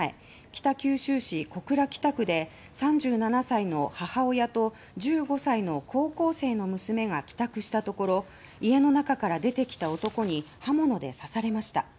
北九州市小倉北区で３７歳の母親と１５歳の高校生の娘が帰宅したところ家の中から出てきた男に刃物で刺されました。